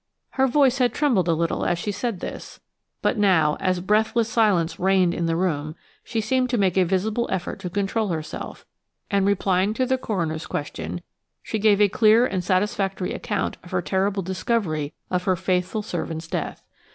Her voice had trembled a little as she said this, but now, as breathless silence reigned in the room, she seemed to make a visible effort to control herself, and, replying to the coroner's question, she gave a clear and satisfactory account of her terrible discovery of her faithful servant's death.